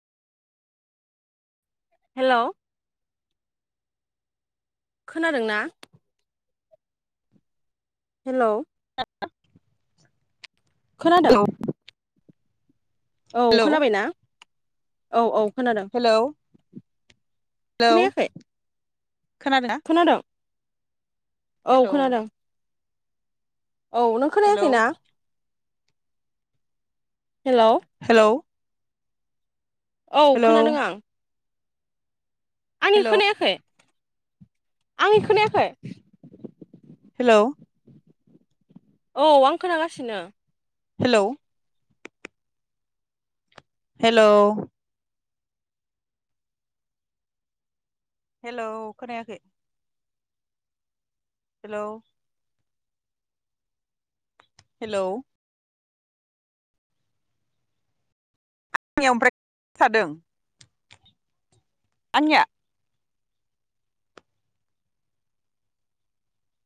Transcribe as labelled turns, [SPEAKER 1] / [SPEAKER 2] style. [SPEAKER 1] Hello खोनादों ना? Hello खोनादों?
[SPEAKER 2] हेलौ
[SPEAKER 1] औ
[SPEAKER 2] हेलौ
[SPEAKER 1] खोनाबायना? औ औ खोनादों।
[SPEAKER 2] हेलौ
[SPEAKER 1] खोनायाखै
[SPEAKER 2] खोनादों ना?
[SPEAKER 1] औ खोनादों औ नों
[SPEAKER 2] हेलौ
[SPEAKER 1] खोनायाखै ना हेलौ
[SPEAKER 2] हेलौ
[SPEAKER 1] औ
[SPEAKER 2] हेलौ
[SPEAKER 1] खोनादों आं आंनिखो
[SPEAKER 2] हेलौ
[SPEAKER 1] खोनायाखै आंनिखो खोनायाखै
[SPEAKER 2] हेलौ
[SPEAKER 1] औ आं खोनागासिनो
[SPEAKER 2] हेलौ हेलौ हेलौ खोनायाखै हेलौ हेलौ आंनि ओमफ्राय [unintelligible] दों आंनिया